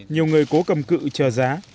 nhiều người cố cầm cự chờ giá